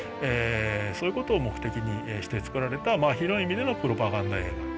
そういうことを目的にして作られた広い意味でのプロパガンダ映画。